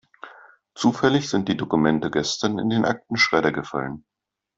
Zufällig sind die Dokumente gestern in den Aktenschredder gefallen.